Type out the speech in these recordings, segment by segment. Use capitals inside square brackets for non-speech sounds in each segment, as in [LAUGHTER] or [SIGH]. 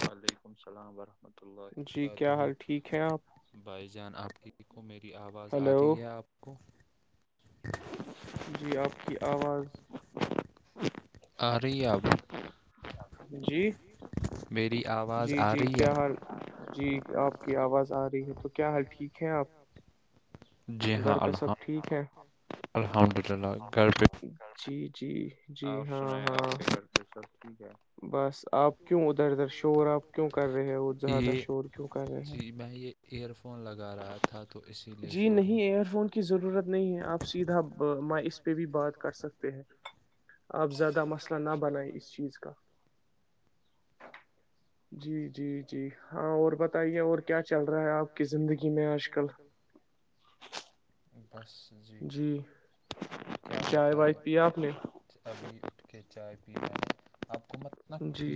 وعلیکم السلام ورحمۃ اللہ ورکاتہ بائی جان آپ میر کی آواز آ رہی ہے آپ کو جی آپ کی آواز [INAUDIBLE] عرییاب جی جی جی کیا حال جی آپ کی آواز آ رہی ہے تو کیا حال ٹھیک ہے آپ جی ہاں اللہ الحمد للہ کرب جی آپ سنائیں آپ فکر کر سب ٹھیک ہے بس آپ کیوں ادھر ادھر شور آپ کیوں کر رہے ہیں اور زیادہ شور کیوں کر رہے ہیں ایئر فون لگا رہا تھا جی نہیں ایئر فون کی ضرورت نہیں ہے آپ سیدھا م اس پہ بھی بات کر سکتے ہیں آپ زیادہ مسئلہ نہ بنائیں اس چیز کا جی جی جی ہاں اور بتائیے اور کیا چل رہا ہے آپ کی زندگی میں آج کل بس جی کیا بتائے ابھی اٹھ کے چائے میں نے اب حکومت ن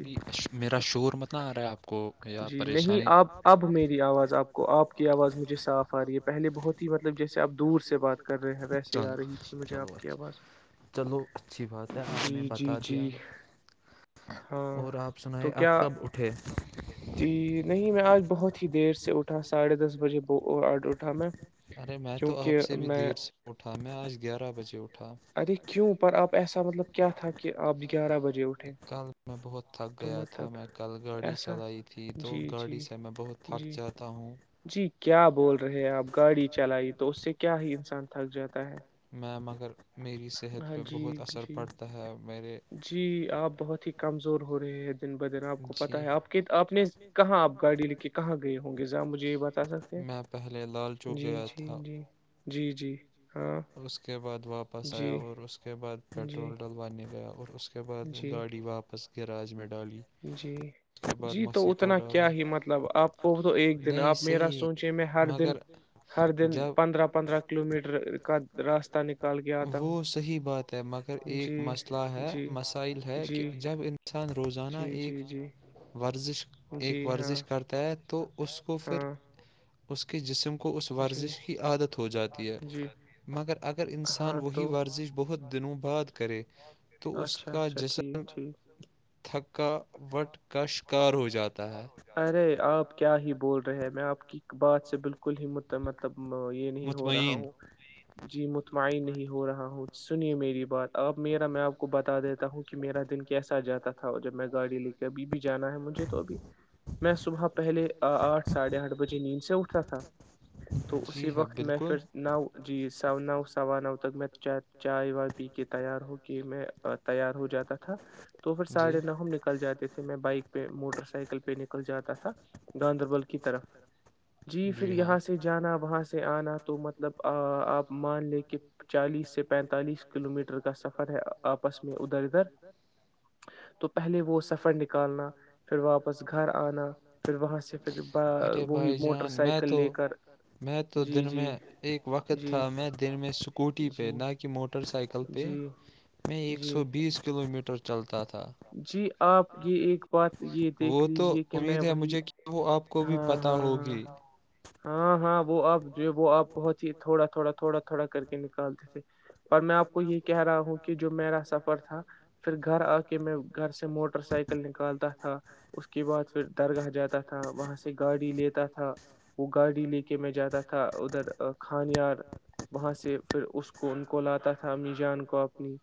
میرا شور مت نہ ارے آپ کو پریشانیولو چلو اچھی بات ہے آپ نے بتا دیا اور آپ س اب کب جی نہیں میں آج بہت ہی دیر سے اٹھا ساڑھے دس بجے آڈر اٹھا میں کیونکہ میں کل میں بہت تھک گیا تھا میں گاڑی چلائی تھی تو گاڑی سے میں بہت تھک جاتا ہوںے میں مگر ہاں جی جی جی آپ بہت ہی کمزور ہو رہے ہیں دن بدن آپ کو پتا ہے آپ آپ نے کہاں آپ گاڑی لے کے کہاں گئے ہوں گے جا مجھے یہ بتا سکتے ہیں جی جی جی جی جی ہاں واپس آیا اور اس کے بعد پٹرول ڈ ب گیا اور اس کے اس کے بعد وہ گاڑی واپس کر کے راج میں ڈال کے اس بعد مسیق ڈالا نہیں صحیح مگر جبرر وہ صحیح بات ہے مگر ایک مسئلہ ہے مسائل ہے کہ جب انسان روزانہ جی جی ورزش ایک ورزش کرتا ہے تو اس کو پھر اس کے جسم کو کو اس ورزش کی عادت ہو جاتی ہے مگر اگر انسان وہی ورزش بہت دنوں بعد کرے تو اس کا جسم تھک کا وٹ ارے آپ کیا ہی بول رہے ہیں میں آپ کی بات سے بالکل ہی مطلب یہ نہیں ہو رہا ہوں جی مطمئن نہیں ہو رہا ہوں سنیے میری بات اب میرا میں آپ کو بتا دیتا ہوں کہ میرا دل کیسا جاتا تھا اور جب میں گاڑی لے کے ابھی بھی جانا ہے مجھے تو ابھی میں صبح پہلے آٹھ ساڑھے آٹھ بجے نیند سے اٹھتا تھا تو اسی وقت میں پھر نو جی نو سوا نو تک میں چائے وائے پی کے تیار میں تیار ہو جاتا تھا تو پھر ساڑھے نو ہم نکل جاتے تھے بائک پہ موٹر سائیکل پہ نکل جاتا تھا گاندربل کی طرف جی پھر یہاں سے جانا وہاں سے آنا تو مطلب آپ مان لے کے چالیس سے پینتالیس کلو میٹر کا ہے آپس میں ادھر ادھر تو پہلے وہ سفر نکل ارے بھائی جان میں تو میں تو دن میں ایک وقت تھا میں دن میں اسکوٹی پہ نہ کہ مو ر پ میں ایک سو بیس کلو میٹر چلتا جی آپ یہ ایک بات یہ دیکھ لیجیے کہ میں وہی ہاں ہاں ہاں ہاں ہاں وہ آپ جو وہ آپ بہت ہی تھوڑا تھوڑا تھوڑا تھوڑا کر کے نکالتے تھے پر میں آپ کو یہ کہ رہا ہوں کہ جو میرا سفر تھا پھر گھر آ کہ میں گھر سے موٹر سائیکل نکالتا تھا اس کے بعد پھر درگاہ جاتا تھا وہاں سے گاڑی لیتا تھا وہ گاڑی لے کے میں جاتا تھا ادھر کھانیار وہاں سے پھر اس کو ان کو لاتا تھا می جان کو اپنی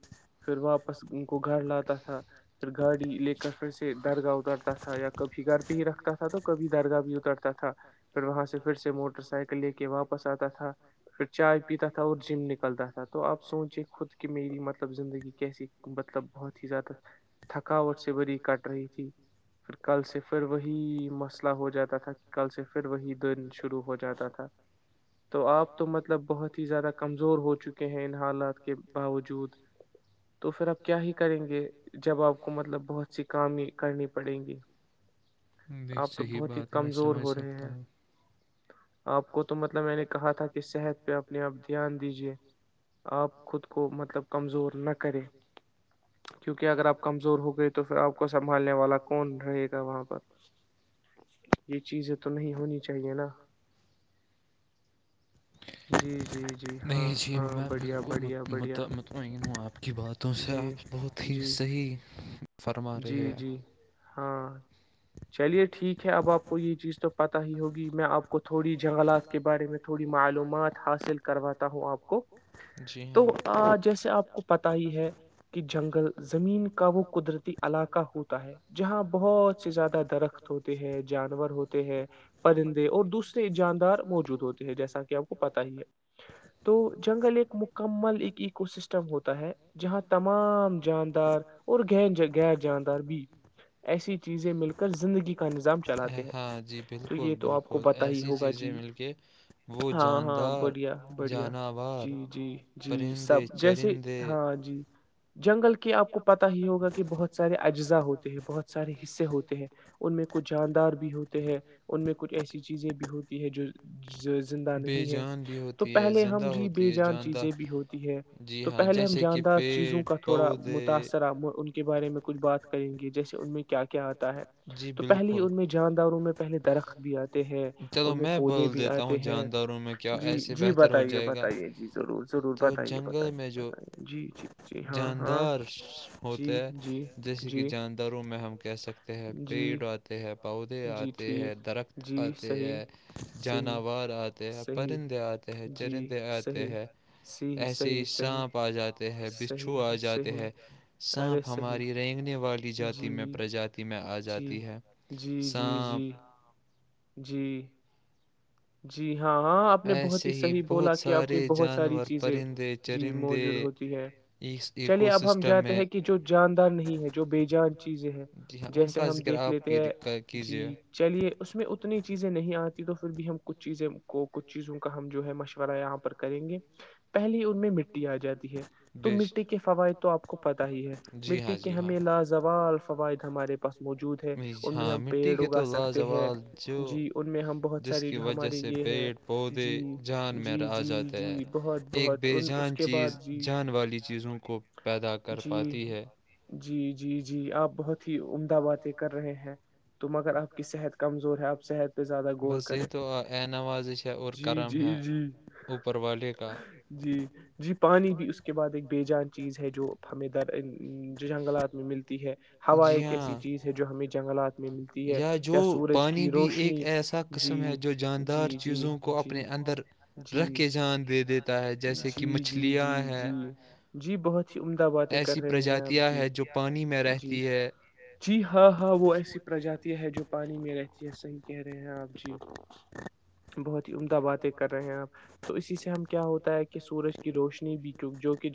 پھر واپس ان کو گھر لاتا تھا تھا پھر گاڑی لے کر پھر سے درگاہ اترتا تھا یا کبھی گھر پہ ہی رکھتا تھا تو کبھی درگاہ بھی اترتا تھا پھر وہاں سے پھر سے موٹر سائیکل لے کے واپس آتا تھا پھر چائے پیتا تھا اور جم نکلتا تھا تو آپ سو سہونچے خود کہ میری مطلب زندگی کیسی مطلب بہت ہی زیادہ تھکاوٹ سے بڑی کٹ رہی تھی پھر کل سے پھر وہی مسئلہ ہو جاتا تھا کہ کل سے پھر وہی دن شروع ہو جاتا تھا تو آپ تو مطلب بہت ہی زیادہ کمزور ہو چکے ہیں ان حال کے باوجود تو پھر آپ کیا ہی کریں گے جب آپ کو مطلب بہت سی کامیا کرنی پڑے گی دیک صحیح بات ہے میں سمجھ سکتا ہوں آپ کو تو مطلب میں نے کہا تھا کہ صحت پہ اپنے آپ دھیان دیجیے خود کو مطلب کمزور نہ کرے کہ اگر آپ کمزور ہو گئے تو پھر آپ کو سنبھالنے والا کون رہے گا وہاں پر یہ چیزیں تو نہیں ہونی چاہیے نا جی جی جی ہاں ہاں بڑھیا اور مطمئن ہو آپ کی باتوں سے آپ بہت ت صحیح جی جی ہاں چلیے ٹھیک ہے اب آپ کو یہ چیز تو پت ہی ہوگی میں آپ کو تھوڑی جنگلات کے بارے میں تھوڑی معلومات حاصل کرواتا ہوں آپ کو تو جیسے آپ کو پتا ہی ہے کہ جنگل زمین کا وہ قدرتی علاقہ ہوتا ہے جہاں بہت سے زیادہ درخت ہوتے ہیں جانور ہوتے ہیں پرندے اور دوسرے جاندار موجود ہوتے ہیں جیسا کہ آپ کو پتا ہی ہے تو جنگل ایک مکمل ایک اکو سسٹم ہوتا ہے جہاں تمام جاندار اور گہن جگہ ہاں جی بالکل بالکل ایسی چیزیں مل کے وہ جاندار جانوار جی جی سب جیسے ہاں جی جنگل کے آپ کو پتا ہی ہوگا کہ بہت اجزاء ہوتے ہیں بہت سارے حصے ہوتے ہیں ان کچھ جاندار بھی ہوتے ہیں ان کچھ ایسی چیزیں بھی ہوتی ہے جو زندہ نہیں ہے تو پہلے ہم جی چیزیں بھی ہوتی ہے تو پہلے ہم جاندار چیزوں کا تھوڑا متاثرہ ان کے بارے میں بات کریں گے جیسے ان میں کیا کیا آتا ہے تو پہلے ان میں جانداروں میں پہلے درخت بھی آتے ہیں ان میں پودے بھی آتے ہیں جی جی بتائیے بتائیے ضرور ضرور بتائیے بتائیے بتائیے جی جی جی ہاں ہاں جی جی جیسے کہ جانداروں میں ہم کہہ سکتے ہیں پیڑ آتے ہیں پودے آتے ہیں درخت آتے ہیں جانور آتے ہیں پرندے آتے ہیں چرندے آتے ہیں ایسے ہی سانپ آ جاتے ہیں بچھو آ جاتے ہیں سانپ ہماری رینگنے والی جاتی میں پرجی میں آ جاتی ہے سانپ جی جی ہاں ہاں آپ نے بہت ہی صحیح بولا کہ اپنی بہت ساری چیزیں جی موجود ہوتی ہے چلیے اب ہم جاتے ہیں کہ جو جاندار نہیں ہے جو بے جان چیزیں ہے جیسے ہم دیکھ لیتے ہیں جی چلیے اس میں اتنی چیزیں نہیں آتی تو پھر بھی ہم کو کچھ چیزوں کا ہم جو ہے مشورہ یہاں پر کریں گے پہلی ان میں مٹی آ جاتی ہے تو مٹی کے فوائد تو آپ کو پتا ہی ہے مٹی کے ہمیں لازوال فوائد ہمارے پاس موجود ہے ان میں ہم پیڑ اگا سکتے ہیں جی ان میں ہم بہت ساری جیسے پیڑ پودے جان میںیر آ جاتے ہیں تو ان اس کے بعد جی جی جی جی جی آپ بہت ہی عمدہ باتیں کر رہے ہیں تو مگر آپ کی صحت کمزور ہے آپ صحت پہ زیادہ غور کرے تو ا نوازش ہے اور کرم ہے اوپر والے کا جی جی پانی بھی اس کے بعد ایک بے جان چیز ہے جو ہمیں در جنگلات میں ملتی ہے ہوا ایک ایسی چیز ہے جو ہمیں جنگلات میں ملتی ہے یا سورج کی روشنی جی دار چیزوں کو اپنے اندر رکھ کے جان دے دیتے جی جی جی جی جی بہت ہی عمدہ باتیں کر رہے ہیں آپ جی جی جی ہاں ہاں وہ ایسی پرجاتیا ہے جو پانی میں رہ یہ صحیح کہہ رہے ہیں آپ جی بہت ہی امدباد کر رہے ہیں آپ تو اسی سے ہم کیا ہوتا ہے کہ کہ سورج کی روشنی بھی کی جو کہ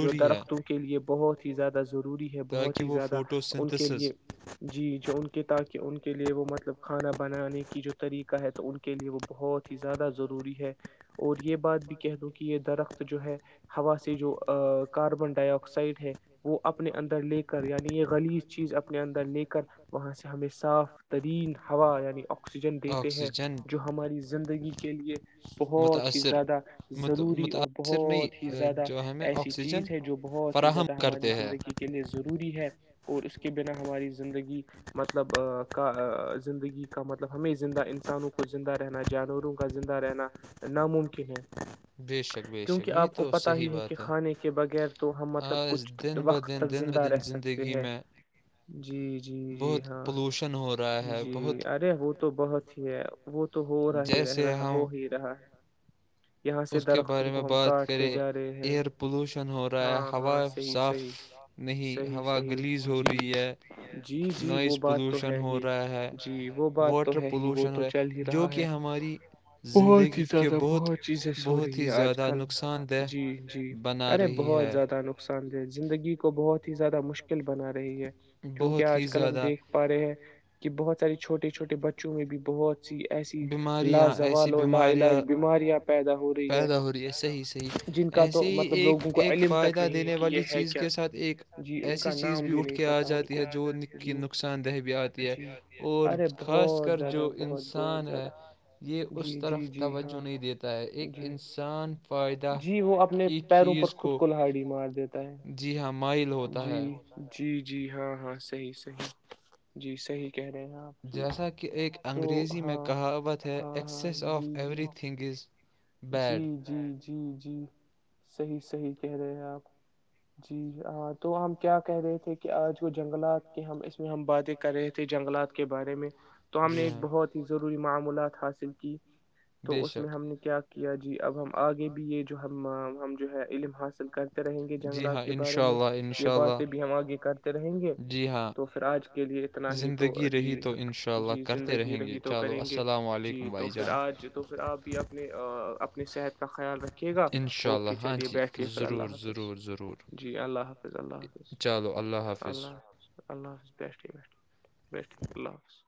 جو درختوں کے لیے بہت ہی زیادہ ضروری ہے بہت ہی زیادہ ان کے لیے جی جو ان کے تاکہ ان کے لیے وہ مطلب کھانا بنانے طریقہ ہے تو ان کے لیے وہ بہت زیادہ ضروری ہے اور یہ بات بھی کہہ لوں کہ یہ درخت جو ہے ہوا سے جو کاربن ڈائی آکسائڈ ہے وہ اپنے اندر لے کر یعنی یہ گلی چیز اپنے اندر لے کر وہاں سے ہمیں صاف ترین ہوا یعنی دیتے ہیں جو ہماری زندگی کے لیے بہت ہی زیادہ ضروری اور بہت ہی زیادہ ایسی چیز ہے جو بہت ہی زیادہ ہماری زندگی کے لیے ضروری ہے اور اس کے بنا ہماری زندگی مطلب کا زندگی کا مطلب مطلب ہمیں زندہ انسانوں کو زندہ رہنا جانوروں کا زندہ رہنا ناممکن ہے کیونکہ آپ کو پتا ہی ہے کہ کھانے کے بغیر تو ہم مطلب کچھ وقت تک زندہ رہ سکتے ہیں جی جی جی ہاں جی ارے وہ تو بہت ہی ہے وہ تو ہو رہا ہی رہ رہا ہو ہی رہا ہے اس کے بارے میں بات کریں ایئر پولوشن ہو رہا ہے ہوا صاف نہیں ہوا گلیز ہو رہی ہے نوائز پولوشن ہو رہا ہے وہ تو ہے ہی وہ تو چل ہی رہا ہے بہت ہی زیادہ بہت چیزیں ہو رہی ہے آج کل جی جی ارے بہت زیادہ نقصان دہ زندگی کو بہت ہی زیادہ مشکل بنا رہی ہے کیونکہ آج کل ہم دیکھ پا رہے ہیں کہ بہت ساری چھوٹی چھوٹے بچ بچوں میں بھی بہت سی ایسی لاازوال اور لا علاج بیماریاں پیدا ہو پیدا ہو رہی ہے صحیح صحیح ایسے ہی ایک ایک فائدہ دینے والی چیز کے ساتھ ایک ایسی چیز بھی اٹھ کے آ جاتی ہے جو کی نقصان دہ بھی آتی ہے اور خاص کر انسان ہے یہ اس طرف توجہ نہیں دیتا ہے ایک ج جی وہ اپنے پیروں پر خود کو لہاڑی مار دیتا ہے جی جی جی ہاں ہاں صحیح صحیح جی صحیح کہہ رہے ہیں آپ جی کہ ایک انگریزی میں کہاوت ہے excess of everything is جی جی جی جی صحیح صحیح کہہ رہے ہیں آپ جی آج تو ہم کیا کہہ رہے تھے کہ آج وہ جنگلات کے ہم اس میں ہم باتیں کر رہے تھے جنگلات کے بارے میں تو ہم نے ایک بہت ہی ضروری معمولات حاصل کی تو اس میں ہم نے کیا کیا جی اب ہم آگے بھی یہ جو ہم ہم جو ہے علم حاصل کرتے رہیں گے جنگلات کے بارے میں بھی ہم آگے کرتے رہیں گے تو پھر آج کے لیے اتنا ہی تو جی جی زندگی رہی تو کریں گے جی تو پھر آج تو پھر آپ بھی اپنے اپنی صحت کا خیال رکھیے گا اوکے چلیے بیٹھیے پھر اللہ حافظ جی اللہ حافظ حفظ اللہ حافظ اللہ حافظظ اللہ حاظ بیٹھ بیٹ بیٹھ اللہ حاظ